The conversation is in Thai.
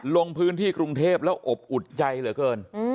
ลงพื้นที่กรุงเทพแล้วอบอุ่นใจเหลือเกิน